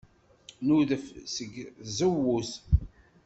Nudef seg tzewwut.